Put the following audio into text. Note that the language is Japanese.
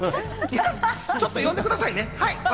ちょっと呼んでくださいね。